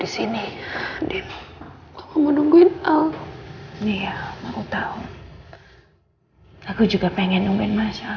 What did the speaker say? saya sama mama udah di lobby udah nungguin bapak